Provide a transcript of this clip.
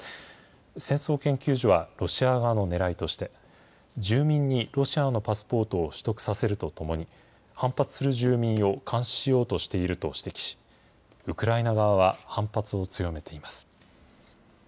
戦争研究所は、ロシア側のねらいとして、住民にロシアのパスポートを取得させるとともに、反発する住民を監視しようとしていると指摘し、ウクライナ側は反発を強めています。